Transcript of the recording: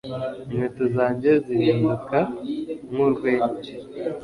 Inkweto zanjye zihinduka nkurwenya